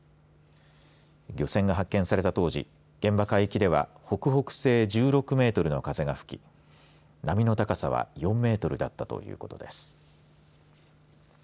漁船が発見された当時現場海域では北北西１６メートルの風が吹き波の高さは４メートルだったということです。